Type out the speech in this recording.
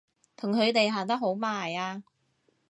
同佢哋行得好埋啊！